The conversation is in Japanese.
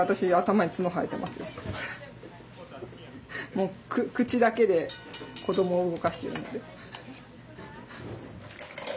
もう口だけで子どもを動かしてるので。